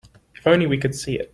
If only we could see it.